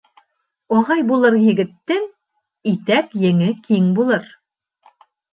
Ағай булыр егеттең итәк-еңе киң булыр.